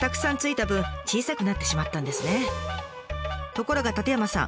ところが舘山さん